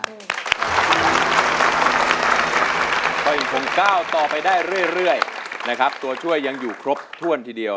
ก็อย่างนึกของก้าวต่อไปได้เรื่อยตัวช่วยยังอยู่ครบถ้วนทีเดียว